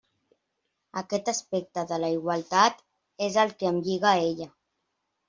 Aquest aspecte de la igualtat és el que em lliga a ella.